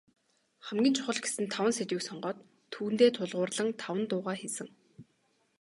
Хамгийн чухал гэсэн таван сэдвийг сонгоод, түүндээ тулгуурлан таван дуугаа хийсэн.